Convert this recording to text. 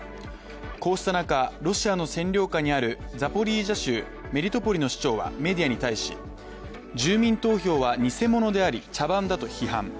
こうした中、ロシアの占領下にあるザポリージャ州メリトポリの市長はメディアに対し住民投票は偽物であり茶番だと批判。